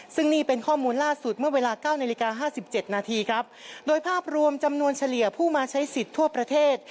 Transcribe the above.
ซึ่งนี่เป็นข้อมูลล่าสุดเมื่อเวลาเก้านาฬิกาห้าสิบเจ็ดนาทีครับโดยภาพรวมจำนวนเฉลี่ยผู้มาใช้สิทธิ์ทั่วประเทศ